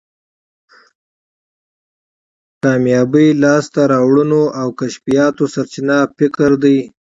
کامیابی، لاسته راوړنو او کشفیاتو سرچینه فکر دی.